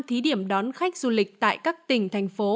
thí điểm đón khách du lịch tại các tỉnh thành phố